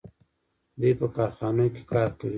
دوی په کارخانو کې کار کوي.